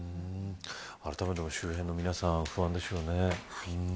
あらためて、周辺の皆さん不安でしょうね。